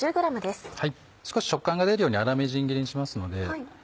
少し食感が出るように粗みじん切りにしますので。